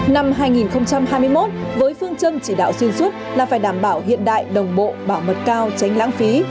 năm hai nghìn hai mươi một với phương châm chỉ đạo xuyên suốt là phải đảm bảo hiện đại đồng bộ bảo mật cao tránh lãng phí